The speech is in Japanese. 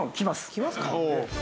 来ますか。